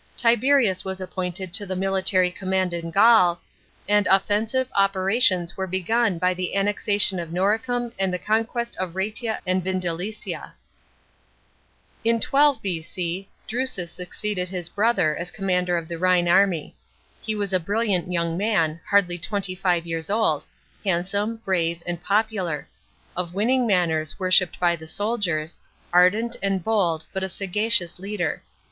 Tiberius was appointed to the military command in Gaul, and offensive operations were be^un by the annexation of Noricum and the conquest of Raetia and Vindelicia.f § 4. In 12 B.C. Drusus succeeded his brother as commander of the Rhine army. He was a brilliant yo mg man, hardly twen'y five years old, handsome, brave, and popular; of winning manners worshipped by the soldiers ; ardent and bold, but a sagacious leader.